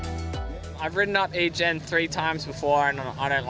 saya lebih suka duduk di dalam mobil tapi saya pikir saya harus menunggu